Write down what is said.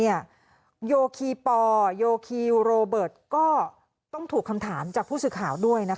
โยคีปอลโยคีโรเบิร์ตก็ต้องถูกคำถามจากผู้สื่อข่าวด้วยนะคะ